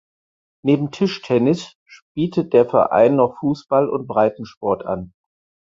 Neben Tischtennis bietet der Verein noch Fußball und Breitensport an.